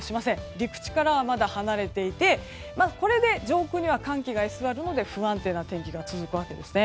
陸地からは、まだ離れていてこれで上空には寒気が居座るので不安定な天気が続くわけですね。